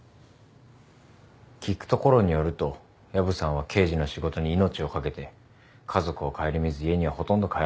聞くところによると薮さんは刑事の仕事に命を懸けて家族を顧みず家にはほとんど帰らなかった。